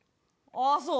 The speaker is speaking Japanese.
ああそう。